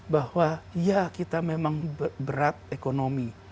bahwa ya kita memang berat ekonomi